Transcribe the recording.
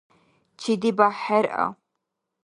ЧедибяхӀ хӀеръа.